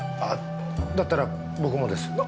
あっだったら僕もです。